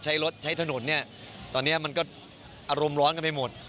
ใช้รถใช้ถนนเนี่ยตอนนี้มันก็อารมณ์ร้อนกันไปหมด